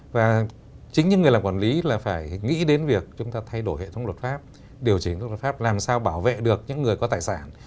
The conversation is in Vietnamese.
và chính những người làm quản lý là phải nghĩ đến việc chúng ta thay đổi hệ thống luật pháp điều chỉnh các luật pháp làm sao bảo vệ được những người có tài sản